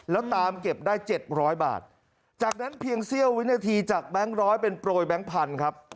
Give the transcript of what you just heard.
แล้วตามเก็บได้๗๐๐บาทจากนั้นเพียงเสี้ยววินาทีจากแบงค์ร้อยเป็นโปรยแบงค์พันธุ์ครับ